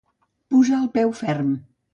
Posar el peu ferm.